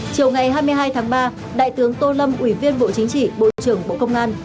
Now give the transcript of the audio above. chiều ngày hai mươi hai tháng ba đại tướng tô lâm ủy viên bộ chính trị bộ trưởng bộ công an